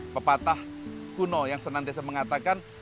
pepatah kuno yang senantiasa mengatakan